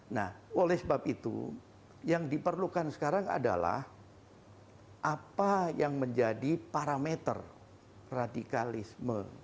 nah oleh sebab itu yang diperlukan sekarang adalah apa yang menjadi parameter radikalisme